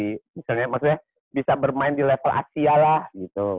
misalnya maksudnya bisa bermain di level asia lah gitu